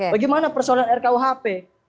bagaimana persoalan rkuhp